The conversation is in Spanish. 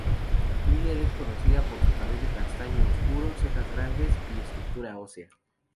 Miller es conocida por su cabello castaño oscuro, cejas grandes y estructura ósea.